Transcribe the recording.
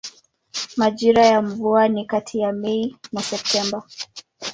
Majira ya mvua ni kati ya Mei na Septemba.